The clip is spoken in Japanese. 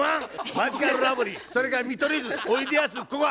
マヂカルラブリーそれから見取り図おいでやすこが。